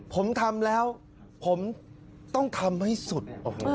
ผมทำแล้วผมต้องทำให้สุด